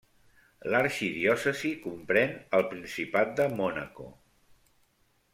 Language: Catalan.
L'arxidiòcesi comprèn el principat de Mònaco.